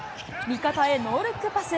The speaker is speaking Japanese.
味方へノールックパス。